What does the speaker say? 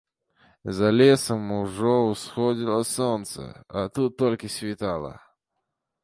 За лесам ужо ўсходзіла сонца, а тут толькі світала.